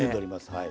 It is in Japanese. はい。